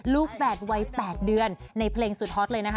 ลูกแฝดวัย๘เดือนในเพลงสุดฮอตเลย